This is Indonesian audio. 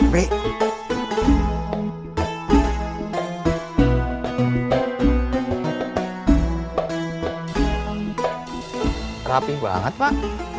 rapi banget pak